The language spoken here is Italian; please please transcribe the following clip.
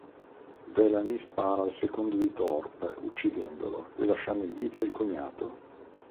Delaney spara al secondo di Thorpe, uccidendolo, e lasciando in vita il cognato.